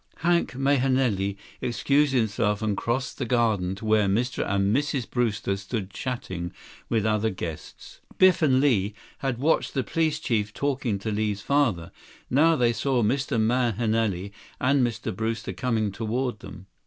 Hank Mahenili excused himself and crossed the garden to where Mr. and Mrs. Brewster stood chatting with other guests. Biff and Li had watched the police chief talking to Li's father. Now they saw Mr. Mahenili and Mr. Brewster coming toward them.